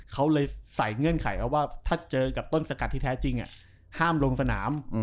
เขาเลยใส่เงื่อนไขเอาว่าถ้าเจอกับต้นสกัดที่แท้จริงห้ามลงสนาม